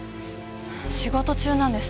仕事中なんです。